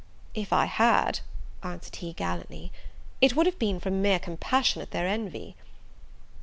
"If I had," answered he, gallantly, "it would have been from mere compassion at their envy."